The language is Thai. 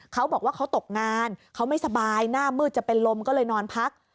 เขาบอกว่าเขาตกงานเขาไม่สบายหน้ามืดจะเป็นลมก็เลยนอนพัก